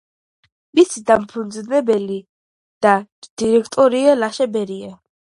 მისი დამფუძნებელი და დირექტორია ლაშა ბერაია.